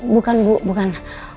bukan bu bukan